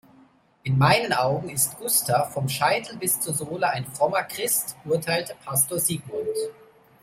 In meinen Augen ist Gustav vom Scheitel bis zur Sohle ein frommer Christ, urteilte Pastor Sigmund.